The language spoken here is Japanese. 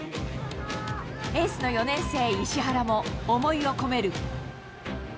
エースの４年生、石原も思いを込める。